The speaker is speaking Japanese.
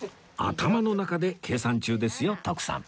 頭の中で計算中ですよ徳さん